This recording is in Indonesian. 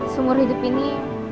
sungguh hidup ini